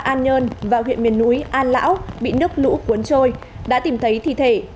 hai đạn nhân vào huyện miền núi an lão bị nước lũ cuốn trôi đã tìm thấy thi thể